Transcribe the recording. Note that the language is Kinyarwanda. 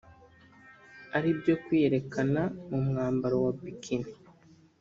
aribyo kwiyerekana mu mwambaro wa bikini